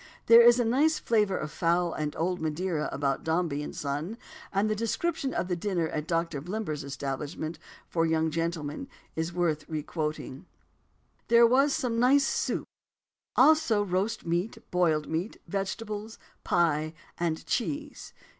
There is a nice flavour of fowl and old Madeira about Dombey and Son, and the description of the dinner at Doctor Blimber's establishment for young gentlemen is worth requoting: "There was some nice soup; also roast meat, boiled meat, vegetables, pie, and cheese."